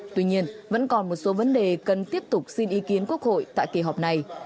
tuy nhiên vẫn còn một số vấn đề cần tiếp tục xin ý kiến quốc hội tại kỳ họp này